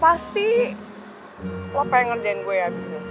pasti lo pengen ngerjain gue abis ini